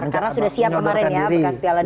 karena sudah siap kemarin ya bekas piala dunia